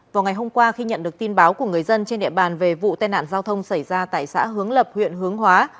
vào ngày hôm qua khi nhận được tin báo của người dân trên địa bàn về vụ tai nạn giao thông xảy ra tại xã hướng lập huyện hướng hóa